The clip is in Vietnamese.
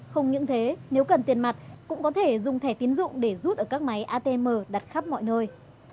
không những thế nếu cần tiền mặt cũng có thể dùng thẻ tiến dụng để rút ở các máy atm đặt khắp mọi nơi